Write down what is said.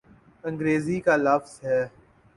انگریزی کا لفظ ہے۔